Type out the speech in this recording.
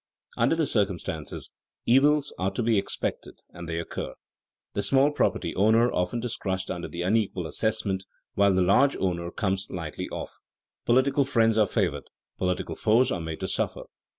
Under the circumstances, evils are to be expected and they occur. The small property owner often is crushed under the unequal assessment while the large owner comes lightly off. Political friends are favored, political foes are made to suffer.